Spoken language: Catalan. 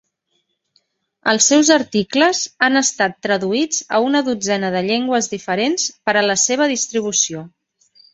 Els seus articles han estat traduïts a una dotzena de llengües diferents per a la seva distribució.